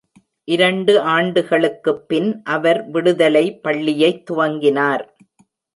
இரண்டு ஆண்டுகளுக்குப் பின் அவர் விடுதலை பள்ளியைத் துவங்கினார்.